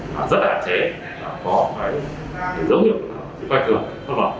rất là hạn chế có phải giấu hiệu của các tổ công tác